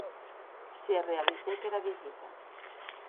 Se realizèc era visita.